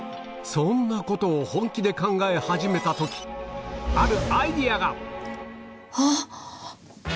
そんなことを本気で考え始めた時あるアイデアが！